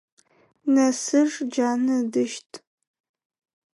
Нэсыж джанэ ыдыщт.